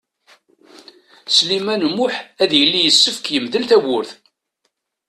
Sliman U Muḥ ad yili yessefk yemdel tawwurt.